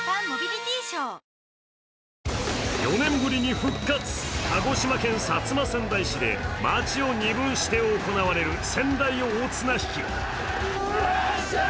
４年ぶりに復活、鹿児島県薩摩川内市で町を二分して行われる川内大綱引。